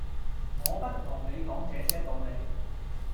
「我不同你講這些道理；